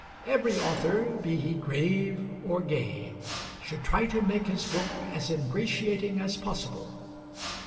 Every author, be he grave or gay, should try to make his book as ingratiating as possible.